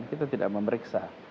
kita tidak memeriksa